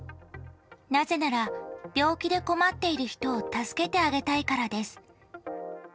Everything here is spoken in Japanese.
なぜなら病気で困っている人を助けてあげたいからです。